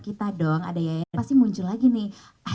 kita dong ada yayasan pasti muncul lagi nih